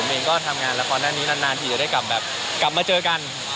เองก็ทำงานละครด้านนี้นานทีจะได้กลับแบบกลับมาเจอกัน